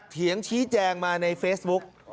เถียงชี้แจงมาในเฟซบุ๊ก